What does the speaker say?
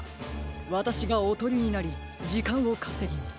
わたしがおとりになりじかんをかせぎます。